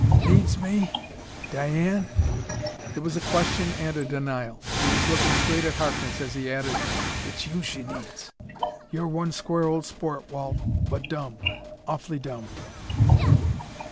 "Needs me? Diane?" It was a question and a denial. He was looking straight at Harkness as he added: "It's you she needs.... You're one square old sport, Walt, but dumb awfully dumb...."